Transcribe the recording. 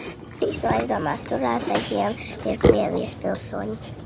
Trīs no aizdomās turētajiem ir Krievijas pilsoņi.